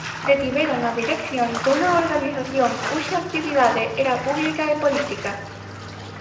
Detiveron a dirección dunha organización cuxa actividade era pública e política.